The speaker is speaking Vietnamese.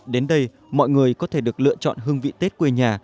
đến đây mọi người có thể được lựa chọn hương vị tết quê nhà